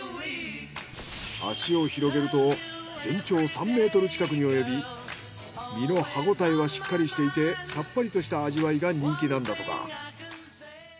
脚を広げると全長３メートル近くに及び身の歯ごたえはしっかりしていてさっぱりとした味わいが人気なんだとか。